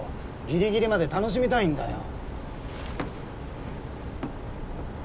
ギリギリまで楽しみたいんだよ。